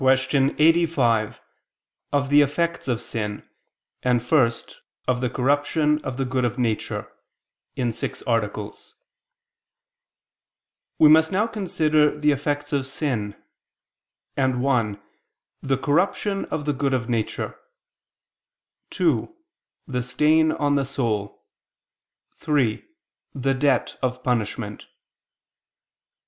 ________________________ QUESTION 85 OF THE EFFECTS OF SIN, AND, FIRST, OF THE CORRUPTION OF THE GOOD OF NATURE (In Six Articles) We must now consider the effects of sin; and (1) the corruption of the good of nature; (2) the stain on the soul; (3) the debt of punishment.